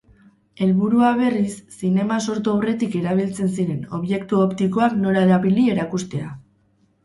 Helburua berriz, zinema sortu aurretik erabiltzen ziren objektu optikoak nola erabili erakustea.